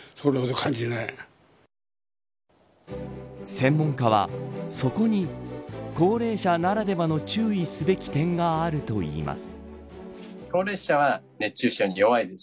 専門家はそこに高齢者ならではの注意すべき点があるといいます。